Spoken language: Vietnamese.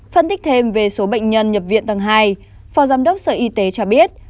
phân tích thêm về số bệnh nhân nhập viện tầng hai phó giám đốc sở y tế cho biết